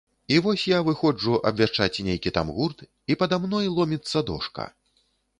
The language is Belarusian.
І вось я выходжу абвяшчаць нейкі там гурт, і пада мной ломіцца дошка.